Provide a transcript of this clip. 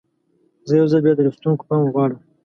زه یو ځل بیا د لوستونکو پام غواړم.